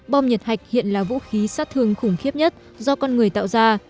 bom nhật hạch hiện là vũ khí sát thương khủng khiếp nhất do con người tạo ra